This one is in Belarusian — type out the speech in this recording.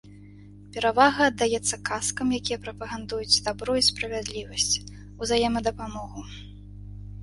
Перавага аддаецца казкам, якія прапагандуюць дабро і справядлівасць, узаемадапамогу.